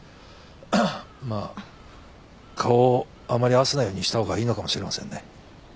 まあ顔をあまり合わせないようにした方がいいのかもしれませんね。